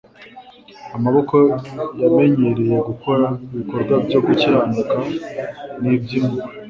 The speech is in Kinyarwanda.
Amaboko yamenyereye gukora ibikorwa byo gukiranuka n'iby'impuhwe,